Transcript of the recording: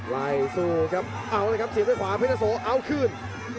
สู้ครับเอาเลยครับเสียบด้วยขวาเพชรโสเอาคืน